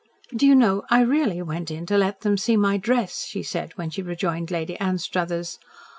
"Do you know I really went in to let them see my dress," she said, when she rejoined Lady Anstruthers.